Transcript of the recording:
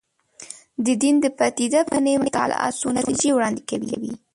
د دین د پدیده پوهنې مطالعات څو نتیجې وړاندې کوي.